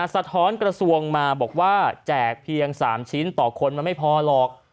สะท้อนกระทรวงมาบอกว่าแจกเพียง๓ชิ้นต่อคนมันไม่พอหรอก